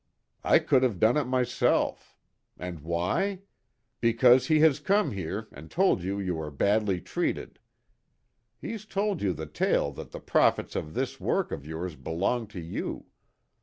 "I could have done it myself. And why? Because he has come here and told you you are badly treated. He's told you the tale that the profits of this work of yours belong to you.